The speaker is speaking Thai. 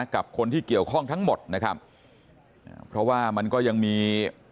กับคนที่เกี่ยวข้องทั้งหมดนะครับเพราะว่ามันก็ยังมี